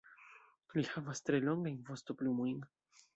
Li havas tre longajn vostoplumojn.